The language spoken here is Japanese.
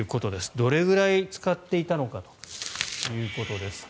どれぐらい使っていたのかということです。